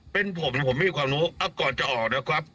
เป็นผมผมไม่มีความรู้ก่อนจะออกนะครับ